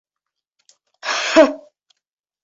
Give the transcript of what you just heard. Һо!